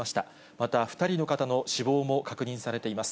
また２人の方の死亡も確認されています。